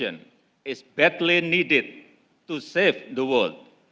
terlalu berperlu untuk menjaga dunia